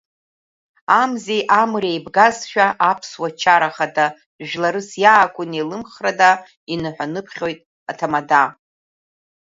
Амзеи амреи еибагазшәа, аԥсуа чара ахада, жәларыс иаақәу неилымхрада, иныҳәа-ныԥхьоит аҭамада.